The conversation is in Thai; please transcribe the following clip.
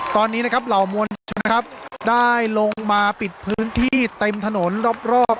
ตอนนี้นะครับเหล่ามวลชนนะครับได้ลงมาปิดพื้นที่เต็มถนนรอบ